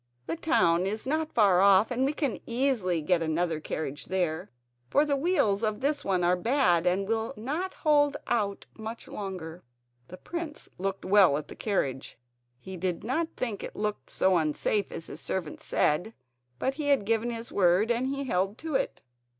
The town is not far off and we can easily get another carriage there, for the wheels of this one are bad and will not hold out much longer." The prince looked well at the carriage. He did not think it looked so unsafe as his servant said; but he had given his word and he held to it.